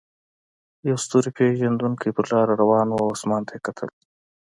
یو ستور پیژندونکی په لاره روان و او اسمان ته یې کتل.